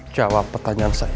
jawab pertanyaan saya